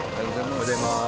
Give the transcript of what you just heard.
おはようございます。